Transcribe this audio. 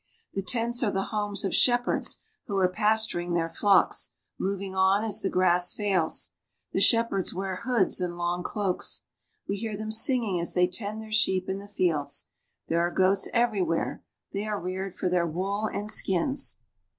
The tents are the homes of shepherds who are pasturing their flocks, moving on as the grass fails. The shepherds wear hoods and long cloaks. We hear them singing as they tend their sheep in the fields. There are goats everywhere ; they are reared for their wool and skins.